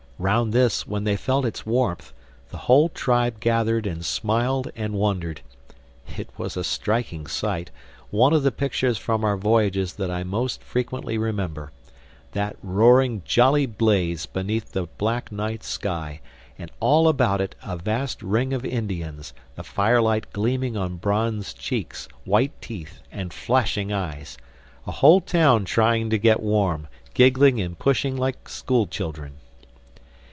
Round this, when they felt its warmth, the whole tribe gathered and smiled and wondered. It was a striking sight, one of the pictures from our voyages that I most frequently remember: that roaring jolly blaze beneath the black night sky, and all about it a vast ring of Indians, the firelight gleaming on bronze cheeks, white teeth and flashing eyes—a whole town trying to get warm, giggling and pushing like school children.